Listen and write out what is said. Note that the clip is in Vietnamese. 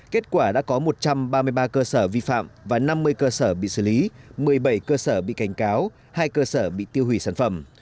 kết quả đã có một trăm ba mươi ba cơ sở vi phạm và năm mươi cơ sở bị xử lý một mươi bảy cơ sở bị cảnh cáo hai cơ sở bị tiêu hủy sản phẩm